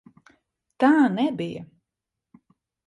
Tā nebija!